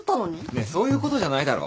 ねえそういうことじゃないだろ。